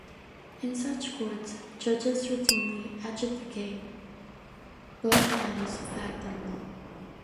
In such courts, judges routinely adjudicate both matters of fact and law.